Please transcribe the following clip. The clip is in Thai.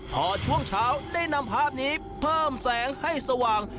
พอช่วงเช้าได้นำภาพนี้เพิ่มแสงให้สว่าง